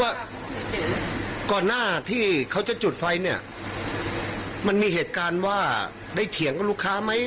ว่าก่อนหน้าที่เขาจะจุดไฟเนี่ยมันมีเหตุการณ์ว่าได้เถียงกับลูกค้าไหม